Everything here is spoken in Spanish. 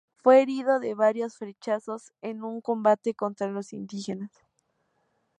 Fue herido de varios flechazos en un combate contra los indígenas.